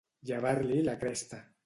Llevar-li la cresta.